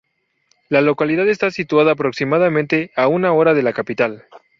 La localidad está situada aproximadamente a una hora de la capital.